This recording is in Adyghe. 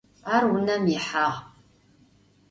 Ar vunem yihağ.